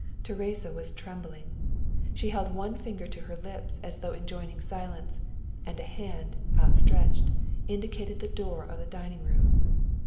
Teresa was trembling. She held one finger to her lips as though enjoining silence, and a hand, outstretched, indicated the door of the dining room.